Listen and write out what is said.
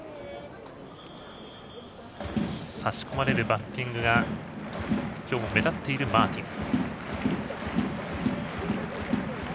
差し込まれるバッティングが今日、目立っているマーティン。